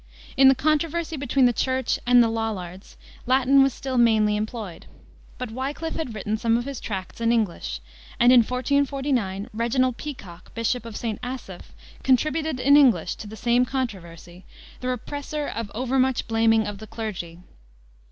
In the controversy between the Church and the Lollards Latin was still mainly employed, but Wiclif had written some of his tracts in English, and, in 1449, Reginald Peacock, Bishop of St. Asaph, contributed, in English, to the same controversy, The Represser of Overmuch Blaming of the Clergy.